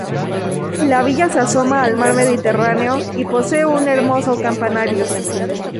La villa se asoma al mar Mediterráneo, y posee un hermoso campanario.